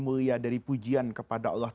mulia dari pujian kepada allah